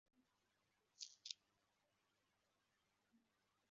Umwana uri mu kigega cyambaraga hejuru ya yicaye kumu canga s kumuhanda